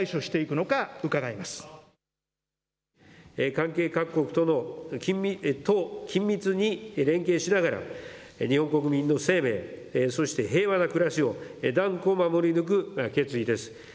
関係各国と緊密に連携しながら日本国民の生命、そして平和な暮らしを断固、守り抜く決意です。